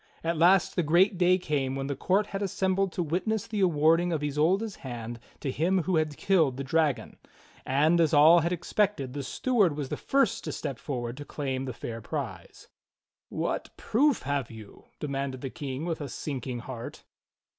At last the great day came when the court had assembled to witness the awarding of Isolda's hand to him who had killed the dragon; and, as all had expected, the steward was the first to step forward to claim the fair prize. "What proof have you.?" demanded the King with a sinking heart.